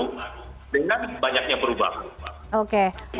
dengan banyaknya perubahan